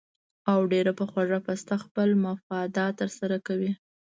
او ډېره پۀ خوږه پسته خپل مفادات تر سره کوي